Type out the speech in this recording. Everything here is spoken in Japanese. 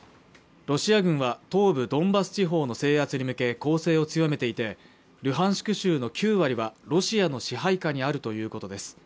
ロシア軍は東部ドンバス地方の制圧に向け攻勢を強めていてルハンシク州の９割はロシアの支配下にあるということです